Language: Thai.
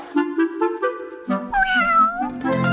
สวัสดีค่ะ